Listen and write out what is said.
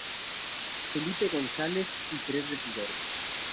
Felipe González y tres regidores.